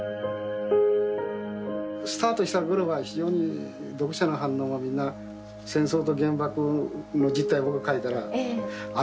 スタートしたころは非常に読者の反応はみんな戦争と原爆の実態を描いたら「あのとおりですか？」